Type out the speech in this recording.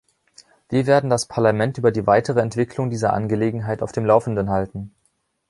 Wir werden das Parlament über die weitere Entwicklung dieser Angelegenheit auf dem laufenden halten.